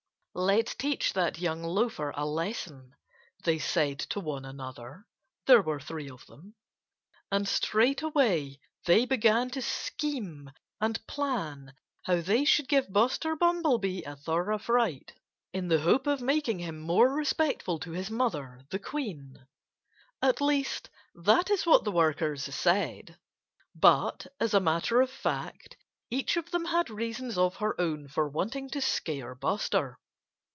"Let's teach that young loafer a lesson!" they said to one another (there were three of them). And straightway they began to scheme and plan how they should give Buster Bumblebee a thorough fright, in the hope of making him more respectful to his mother, the Queen. At least, that is what the workers said. But, as a matter of fact, each of them had reasons of her own for wanting to scare Buster.